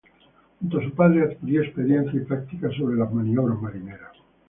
Junto a su padre adquirió experiencia y práctica sobre las maniobras marineras.